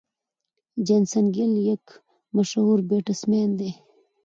جیسن ګيل یک مشهور بيټسمېن دئ.